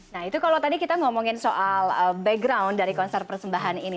nah itu kalau tadi kita ngomongin soal background dari konser persembahan ini